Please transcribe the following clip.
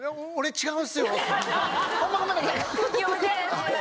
違う！